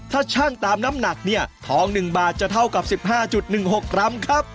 ถ้าชั่งตามน้ำหนักเนี่ยทอง๑บาทจะเท่ากับ๑๕๑๖กรัมครับ